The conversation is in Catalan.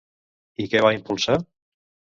I què va impulsar?